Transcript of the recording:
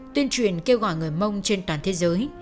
tuyên truyền kêu gọi người mông trên toàn thế giới